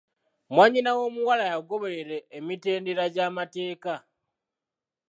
Mwannyina w'omuwala yagoberera emitendera gy'amateeka.